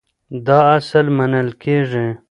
دا اصل منل کېږي.